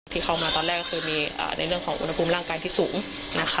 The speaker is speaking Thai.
ที่เข้ามาตอนแรกก็คือมีในเรื่องของอุณหภูมิร่างกายที่สูงนะคะ